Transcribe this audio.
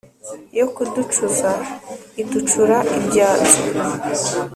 yo kuducuza iducura ibyanzu